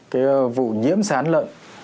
cái vụ nhiễm sán lợn